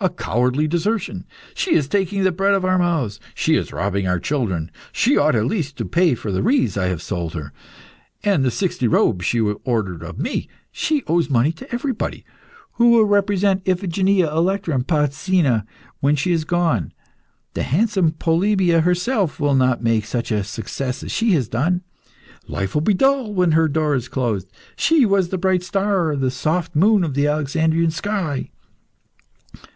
"A cowardly desertion!" "She is taking the bread out of our mouths." "She is robbing our children." "She ought at least to pay for the wreaths I have sold to her." "And the sixty robes she has ordered of me." "She owes money to everybody." "Who will represent Iphigenia, Electra, and Polyxena when she is gone? The handsome Polybia herself will not make such a success as she has done." "Life will be dull when her door is closed." "She was the bright star, the soft moon of the Alexandrian sky."